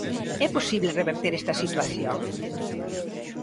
¿É posible reverter esta situación?